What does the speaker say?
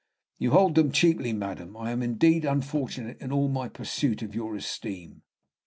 "You hold them cheaply, madam. I am indeed unfortunate in all my pursuit of your esteem."